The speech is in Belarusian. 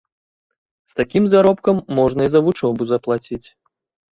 З такім заробкам можна і за вучобу заплаціць.